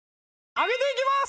上げていきます